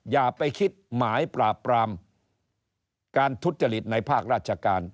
อย่าไปคิดหมายปราบปรามการทุจริตในภาคราชการ